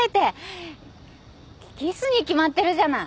キキスに決まってるじゃない。